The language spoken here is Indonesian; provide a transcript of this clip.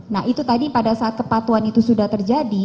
nah itu tadi pada saat kepatuan itu sudah terjadi